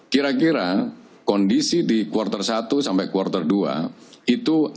kira kira kondisi di quarter satu sampai quarter dua itu akan berada di pada di level kita masih bisa tumbuh